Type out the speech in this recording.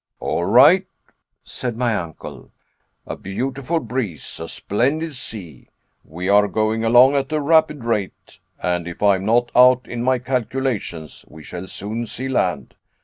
"All right," said my uncle; "a beautiful breeze, a splendid sea. We are going along at a rapid rate, and if I am not out in my calculations we shall soon see land.